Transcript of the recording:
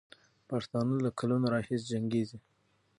پښتانه له کلونو راهیسې جنګېږي.